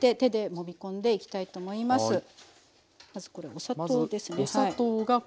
まずこれお砂糖ですね。